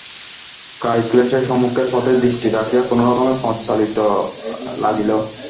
কায়ক্লেশে সম্মুখের পথে দৃষ্টি রাখিয়া কোনোরকমে পথ চলিতে লাগিল।